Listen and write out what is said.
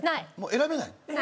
選べない。